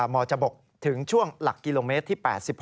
มจบถึงช่วงหลักกิโลเมตรที่๘๖